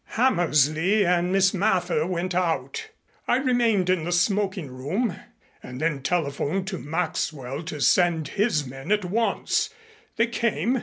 "Hammersley and Miss Mather went out. I remained in the smoking room and then telephoned to Maxwell to send his men at once. They came.